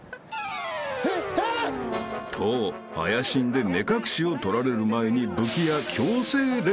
［と怪しんで目隠しを取られる前に］